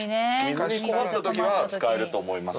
水に困ったときは使えると思います。